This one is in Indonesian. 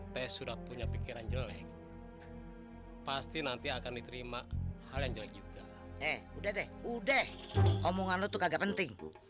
pasti nanti akan diterima hal yang juga udah deh udah omongan lu tuh agak penting